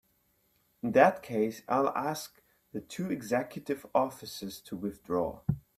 In that case I'll ask the two executive officers to withdraw.